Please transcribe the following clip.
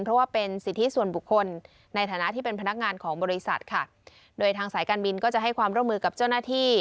เพราะว่าเป็นสิทธิส่วนบุคคลในฐานะที่เป็นพนักงานของบริษัทค่ะโดยทางสายการบินก็จะให้ความร่วมมือกับเจ้าหน้าที่